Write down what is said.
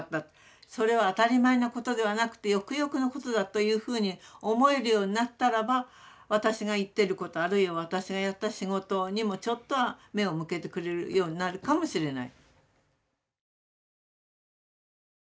それは当たり前のことではなくてよくよくのことだというふうに思えるようになったらば私が言ってることあるいは私がやった仕事にもちょっとは目を向けてくれるようになるかもしれない。